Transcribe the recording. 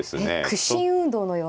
屈伸運動のような。